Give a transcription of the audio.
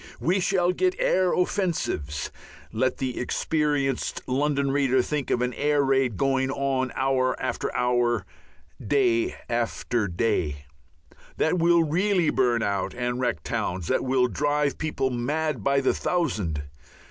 We shall get air offensives let the experienced London reader think of an air raid going on hour after hour, day after day that will really burn out and wreck towns, that will drive people mad by the thousand.